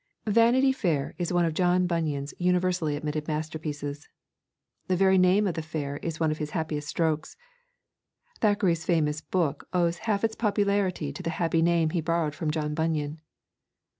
Vanity Fair is one of John Bunyan's universally admitted masterpieces. The very name of the fair is one of his happiest strokes. Thackeray's famous book owes half its popularity to the happy name he borrowed from John Bunyan.